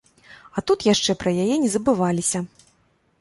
А тут яшчэ пра яе не забываліся.